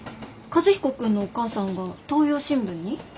和彦君のお母さんが東洋新聞に？